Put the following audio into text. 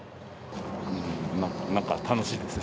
なんか楽しいですね。